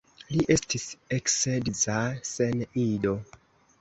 Li estis eksedza sen ido.